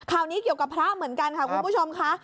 ข่าวนี้เกี่ยวกับพระเหมือนกันค่ะคุณผู้ชมค่ะ